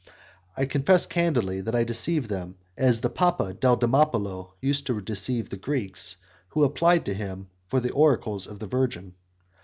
I confess candidly that I deceived them, as the Papa Deldimopulo used to deceive the Greeks who applied to him for the oracles of the Virgin.